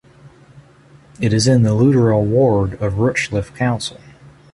It is in the Lutterell ward of Rushchliffe Council.